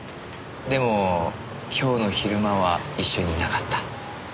でも今日の昼間は一緒にいなかった。